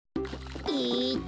えっと